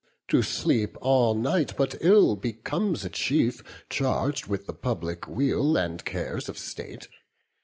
To sleep all night but ill becomes a chief, Charg'd with the public weal, and cares of state.